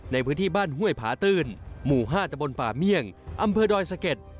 ในพื้นที่บ้านห้วยผาตื้นหมู่๕ตะบนป่าเมี่ยงอำเภอดอยสะเก็ด